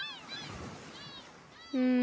うん。